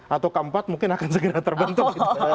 atau keempat mungkin akan segera terbentuk